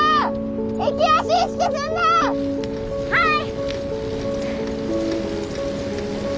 はい！